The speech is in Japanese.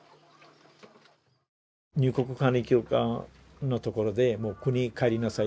入国管理局のところで「もう国に帰りなさい」。